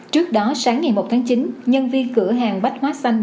trước đó sáng ngày một tháng chín nhân viên cửa hàng bách hóa xanh